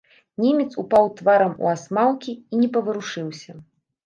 Немец упаў тварам у асмалкі і не паварушыўся.